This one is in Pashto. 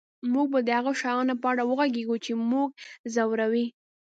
موږ به د هغو شیانو په اړه وغږیږو چې موږ ځوروي